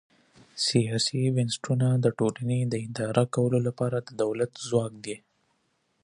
سیاسي بنسټونه د ټولنې د اداره کولو لپاره د دولت ځواک دی.